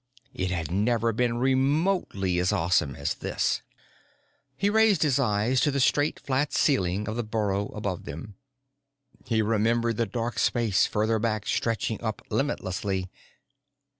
It had never been remotely as awesome as this. He raised his eyes to the straight, flat ceiling of the burrow above them. He remembered the dark space further back stretching up limitlessly.